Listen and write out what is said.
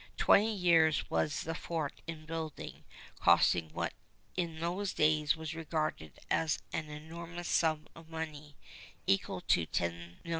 Twenty years was the fort in building, costing what in those days was regarded as an enormous sum of money, equal to $10,000,000.